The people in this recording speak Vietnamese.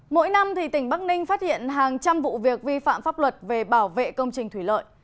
mỗi năm tỉnh bắc ninh phát hiện hàng trăm vụ việc vi phạm pháp luật về bảo vệ công trình thủy lợi